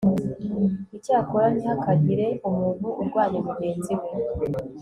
icyakora ntihakagire umuntu urwanya mugenzi we